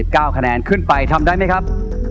เก้าคะแนนขึ้นไปทำได้ไหมครับ